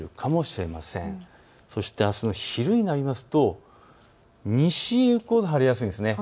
そして、あすの昼になりますと西へ行くほど晴れやすいんです。